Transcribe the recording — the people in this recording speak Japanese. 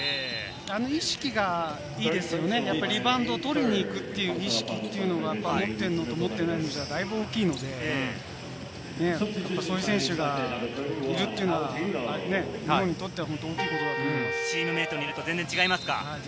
あの意識がいいですよね、リバウンドを取りに行くという意識というのが持っているのと持っていないのでは、だいぶ大きいので、そういう選手がいるというのは、日本にとっては大きいことだと思います。